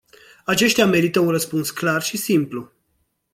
Aceștia merită un răspuns clar și simplu.